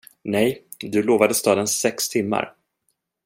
Nej, du lovade staden sex timmar.